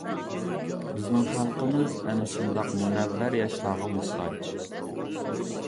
بىزنىڭ خەلقىمىز ئەنە شۇنداق مۇنەۋۋەر ياشلارغا موھتاج.